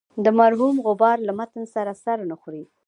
د مرحوم غبار له متن سره سر نه خوري.